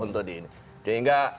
untuk di ini sehingga